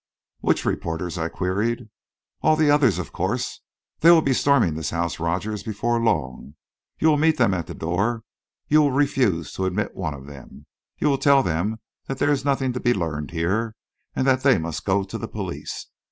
"Which reporters?" I queried. "All the others, of course. They will be storming this house, Rogers, before long. You will meet them at the door, you will refuse to admit one of them; you will tell them that there is nothing to be learned here, and that they must go to the police.